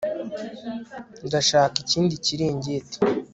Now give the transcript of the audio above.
ndashaka ikindi kiringiti